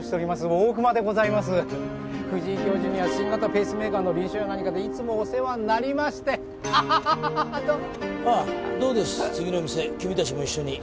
大熊でございます藤井教授には新型ペースメーカーの臨床でいつもお世話になりましてどうです次の店君たちも一緒に？